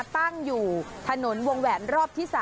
ตั้งอยู่ถนนวงแหวนรอบที่๓